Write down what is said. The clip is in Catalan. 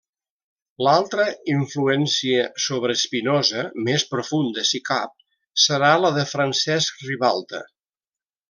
L'altra influència sobre Espinosa, més profunda si cap, serà la de Francesc Ribalta.